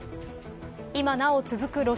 今なお続く